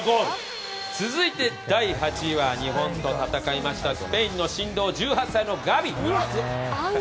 続いて第８位は日本と戦いましたスペインの神童、１８歳のガビ。